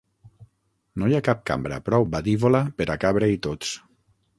No hi ha cap cambra prou badívola per a cabre-hi tots.